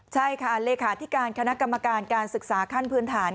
ใช่ค่ะเลขาธิการคณะกรรมการการศึกษาขั้นพื้นฐาน